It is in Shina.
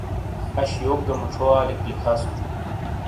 اش یوک گہ موچھو آلیک لکھاسوں۔